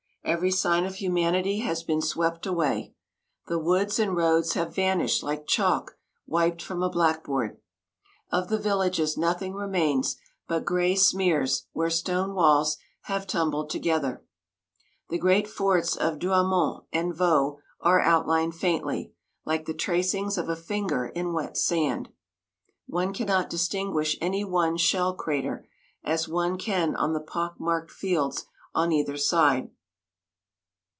Every sign of humanity has been swept away. The woods and roads have vanished like chalk wiped from a blackboard; of the villages nothing remains but gray smears where stone walls have tumbled together. The great forts of Douaumont and Vaux are outlined faintly, like the tracings of a finger in wet sand. One cannot distinguish any one shell crater, as one can on the pockmarked fields on either side.